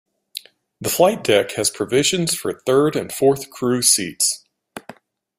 The flight deck has provisions for third and fourth crew seats.